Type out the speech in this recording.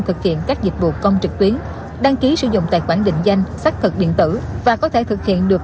thực hiện các dịch vụ công trực tuyến đăng ký sử dụng tài khoản định danh xác thực điện tử và có thể thực hiện được